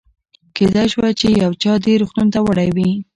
کېدای شوه چې یو چا دې روغتون ته وړی وي.